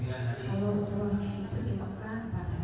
kalau proses itu dipegang empat hari